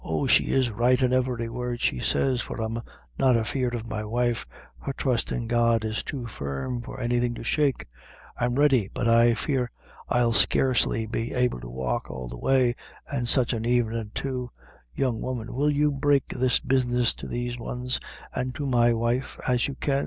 oh, she is right in every word she says, for I am not afeard of my wife her trust in God is too firm for anything to shake. I'm ready; but I fear I'll scarcely be able to walk all the way an' sich an evenin' too Young woman, will you break this business to these ones, and to my wife, as you can?"